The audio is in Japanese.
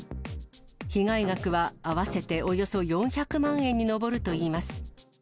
被害額は合わせておよそ４００万円に上るといいます。